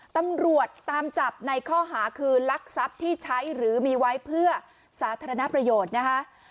ตำรวจตามจับในข้อหาคือลักทรัพย์ที่ใช้หรือมีไว้เพื่อสาธารณประโยชน์นะคะ